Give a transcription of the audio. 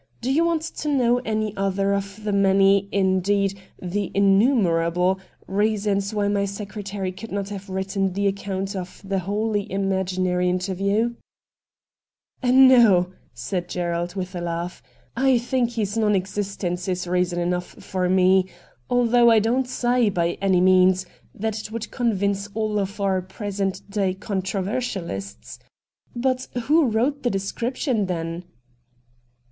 Do you want to know any other of the many, indeed the innumerable, reasons why my secretary could not have written AN INTERVIEW WITH MR. RATT GUNDY 225 that account of the wholly imaginary inter view ?'' No,' said Gerald, with a laugh. ' I think his non existence is reason enough for me — although I don't say, by any means, that it would convince all our present day controver sialists. But who wrote the description, then